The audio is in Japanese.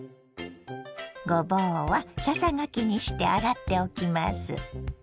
ごぼうはささがきにして洗っておきます。